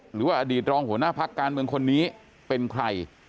หรือว่าอดีตรองหัวหน้าพักการเมืองคนนี้เป็นใคร